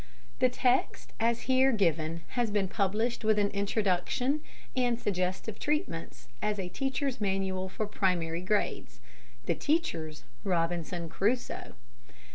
The text as here given has been published with an introduction and suggestive treatments as a Teacher's Manual for Primary Grades "The Teacher's Robinson Crusoe."